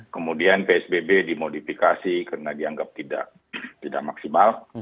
kemudian psbb dimodifikasi karena dianggap tidak maksimal